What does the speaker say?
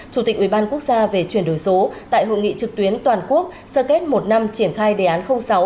chủ tịch ủy ban quốc gia về chuyển đổi số tại hội nghị trực tuyến toàn quốc sơ kết một năm triển khai đề án sáu